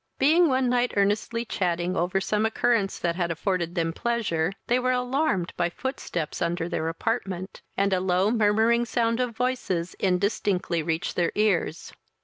Being one night earnestly chatting over some occurrence that had afforded them pleasure, they were alarmed by footsteps under their apartment, and a low murmuring sound of voices indistinctly reached their ears.